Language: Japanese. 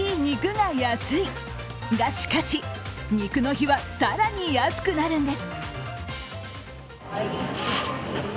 が、しかし肉の日は更に安くなるんです。